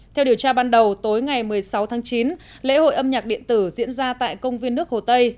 theo điều tra ban đầu tối ngày một mươi sáu tháng chín lễ hội âm nhạc điện tử diễn ra tại công viên nước hồ tây